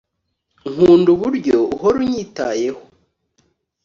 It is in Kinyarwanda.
nkunda uburyo uhora unyitayeh